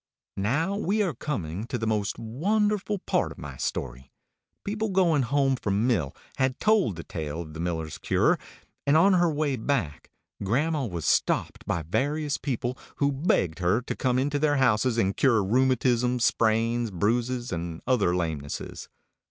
Now we are coming to the most wonderful part of my story. People going home from mill had told the tale of the miller's cure, and on her way back grandma was stopped by various people, who begged her to come into their houses and cure rheumatism, sprains, bruises, and other lamenesses.